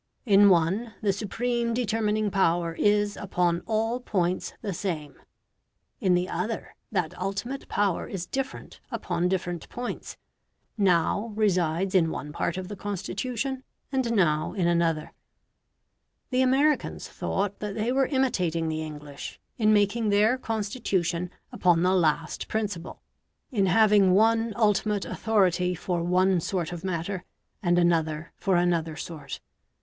In one the supreme determining power is upon all points the same: in the other, that ultimate power is different upon different points now resides in one part of the Constitution and now in another. The Americans thought that they were imitating the English in making their Constitution upon the last principle in having one ultimate authority for one sort of matter, and another for another sort.